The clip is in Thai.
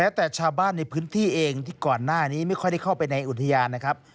แต่ชาวบ้านในพื้นที่เองที่ก่อนหน้านี้ไม่ค่อยได้เข้าไปในอุทยานนะครับ